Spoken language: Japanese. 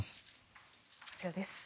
こちらです。